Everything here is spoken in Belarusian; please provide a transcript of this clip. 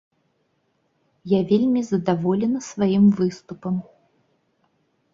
Я вельмі задаволена сваім выступам.